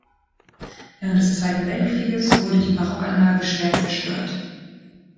Während des Zweiten Weltkrieges wurde die Barockanlage schwer zerstört.